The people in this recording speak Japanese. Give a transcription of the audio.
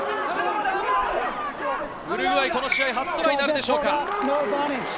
ウルグアイ、この試合初トライなるでしょうか？